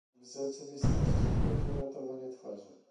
W rzeczywistości chodzi o ratowanie twarzy